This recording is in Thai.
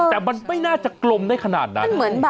แต่มันไม่น่าจะกลมได้ขนาดนั้น